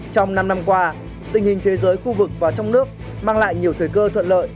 trong năm năm qua tình hình thế giới khu vực và trong nước mang lại nhiều thời cơ thuận lợi